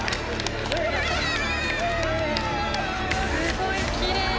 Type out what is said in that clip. すごいきれい。